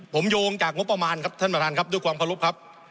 ผมโยงจากงบประมาณครับท่านประธานครับด้วยความเคารพครับ